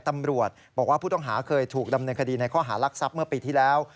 ตำรวจบอกว่าผู้ต้องหาเคยถูกดำเนินคดีในข้อหารักทรัพย์เมื่อปีที่แล้ว